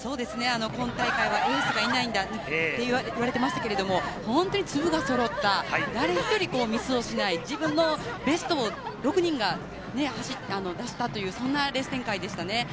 本大会はエースがいないんだと言われていましたが、本当に粒が揃った、誰一人ミスをしない、自分のベストを６人が出したという、そんなレース展開でしたね。